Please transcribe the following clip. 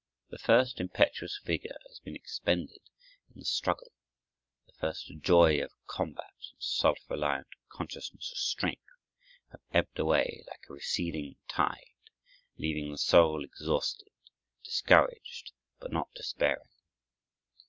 The first impetuous vigor has been expended in the struggle; the first joy of combat and self reliant consciousness of strength have ebbed away like a receding tide, leaving the soul exhausted, discouraged, but not despairing.